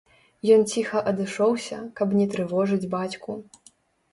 Ён ціха адышоўся, каб не трывожыць бацьку.